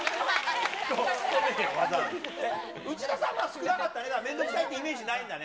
内田さんが少なかったですね、面倒くさいっていうイメージないんだね。